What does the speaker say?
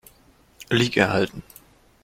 Lig erhalten.